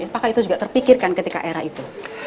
apakah itu juga terpikirkan ketika era itu